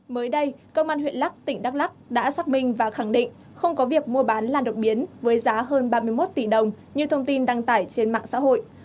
mới đây công an huyện lắc tỉnh đắk lắc đã xác minh và khẳng định không có việc mua bán lan đột biến với giá hơn ba mươi một tỷ đồng như thông tin đăng tải trên mạng xã hội